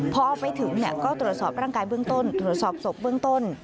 พอไปถึงเนี่ยก็ตรวจสอบร่างกายเบื้องต้น